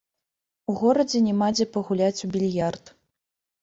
У горадзе няма дзе пагуляць у більярд.